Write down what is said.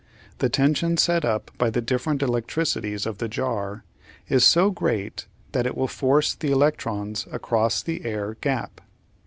The tension set up by the different electricities of the jar is so great that it will force the electrons across the air gap.